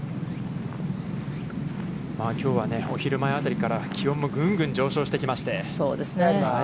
きょうはお昼前あたりから、気温もぐんぐん上昇してきまして。